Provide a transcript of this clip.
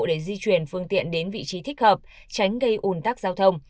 để di chuyển phương tiện đến vị trí thích hợp tránh gây ủn tắc giao thông